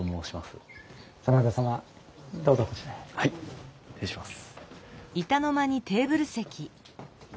はい失礼します。